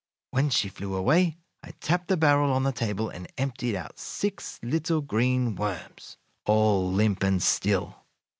When she flew away I tapped the barrel on the table and emptied out six little green worms, all limp and still.